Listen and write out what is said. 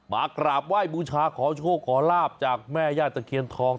มากราบไหว้บูชาขอโชคขอลาบจากแม่ย่าตะเคียนทอง